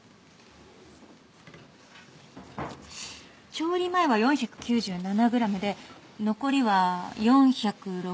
調理前は４９７グラムで残りは４６９グラムなので。